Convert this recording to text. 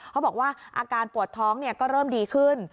เขาบอกว่าอาการปวดท้องก็เริ่มดีขึ้น